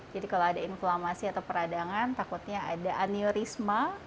jadi kalau ada inflamasi atau peradangan takutnya ada aneurisma